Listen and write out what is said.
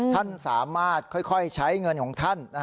ท่านสามารถค่อยใช้เงินของท่าน